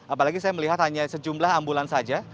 apalagi saya melihat hanya sejumlah ambulans saja